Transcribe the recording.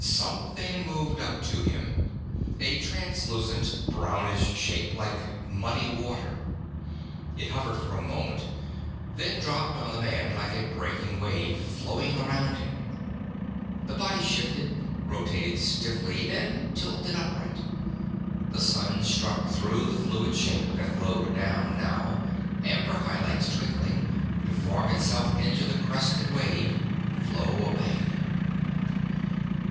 Something moved up to him, a translucent brownish shape, like muddy water. It hovered for a moment, then dropped on the man like a breaking wave, flowed around him. The body shifted, rotating stiffly, then tilted upright. The sun struck through the fluid shape that flowed down now, amber highlights twinkling, to form itself into the crested wave, flow away.